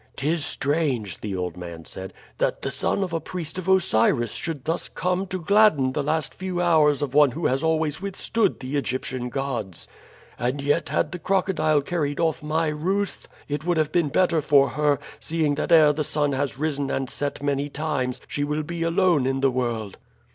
"'Tis strange," the old man said, "that the son of a priest of Osiris should thus come to gladden the last few hours of one who has always withstood the Egyptian gods. And yet had the crocodile carried off my Ruth, it might have been better for her, seeing that ere the sun has risen and set many times she will be alone in the world."